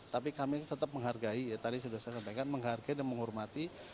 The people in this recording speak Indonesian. tapi kami tetap menghargai ya tadi sudah saya sampaikan menghargai dan menghormati